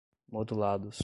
modulados